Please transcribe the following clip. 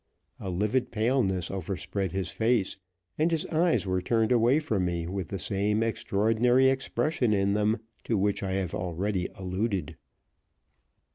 A livid paleness overspread his face, and his eyes were turned away from me with the same extraordinary expression in them to which I have already alluded.